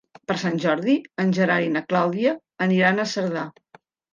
Per Sant Jordi en Gerard i na Clàudia aniran a Cerdà.